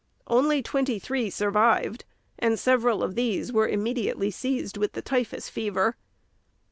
Only twenty three survived, and several of these were immediately seized with the typhus fever.